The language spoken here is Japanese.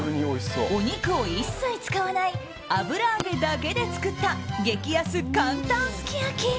お肉を一切使わない油揚げだけで作った激安簡単すき焼き。